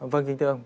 vâng kính thưa ông